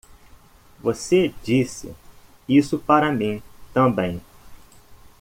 Você disse isso para mim também.